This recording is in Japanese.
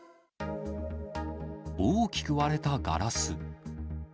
大きく割れたガラス。